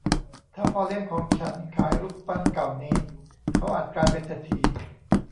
ถ้าพ่อเลี้ยงของฉันขายรูปปั้นเก่านี้เขาอาจกลายเป็นเศรษฐี